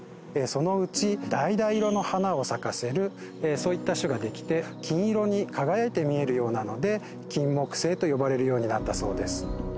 そのうちだいだい色の花を咲かせるそういった種ができて金色に輝いて見えるようなのでキンモクセイと呼ばれるようになったそうです